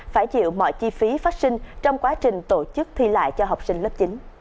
phải chịu mọi chi phí phát sinh trong quá trình tổ chức thi lại cho học sinh lớp chín